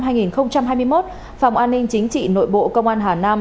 phòng an ninh chính trị nội bộ công an hà nam